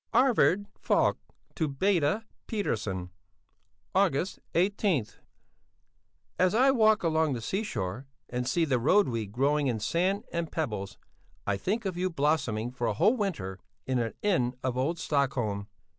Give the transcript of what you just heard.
ARVID FALK to BEDA PETTERSON NÄMDÖ, August 18 As I walk along the seashore and see the roadweed growing in sand and pebbles, I think of you blossoming for a whole winter in an inn of old Stockholm.